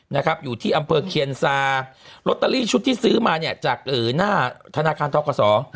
นะครับอยู่ที่อำเภอเคียนซาโรตเตอรี่ชุดที่ซื้อมาเนี่ยจากหน้าธนาคารทกศ